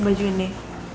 mama cantik banget